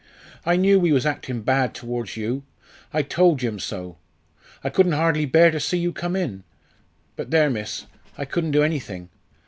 "I knew we was acting bad towards you. I told Jim so. I couldn't hardly bear to see you come in. But there, miss, I couldn't do anything.